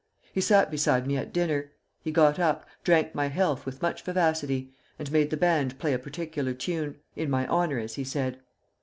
He sat beside me at dinner. He got up, drank my health with much vivacity, and made the band play a particular tune, in my honor, as he said.